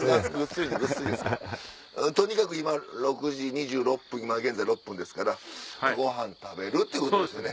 とにかく今６時２６分ですからごはん食べるってことですよね。